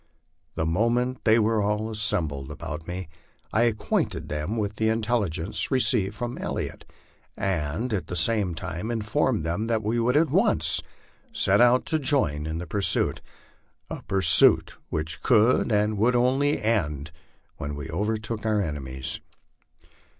The moment they were all as sembled about me I acquainted them with the intelligence received from El liot, and at the same time informed them that we would at once set out to join in the pursuit a pursuit which could and would only end when we overtook our enemies.